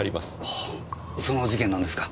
はぁその事件なんですか？